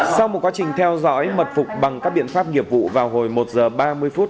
sau một quá trình theo dõi mật phục bằng các biện pháp nghiệp vụ vào hồi một h ba mươi phút